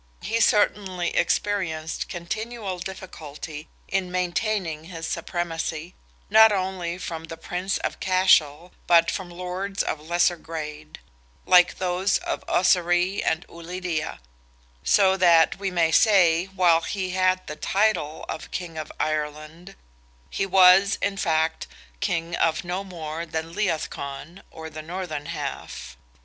He certainly experienced continual difficulty in maintaining his supremacy, not only from the Prince of Cashel, but from lords of lesser grade—like those of Ossory and Ulidia; so that we may say, while he had the title of King of Ireland, he was, in fact, King of no more than Leath Con, or the Northern half.